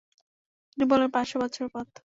তিনি বললেন, পাঁচশ বছরের পথ।